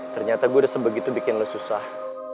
ternyata gue udah sebegitu bikin lo susah